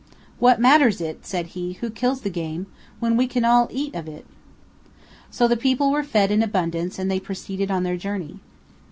"What matters it," said he, "who kills the game, when we can all eat it?" So all the people were fed in abundance and they proceeded on their journey.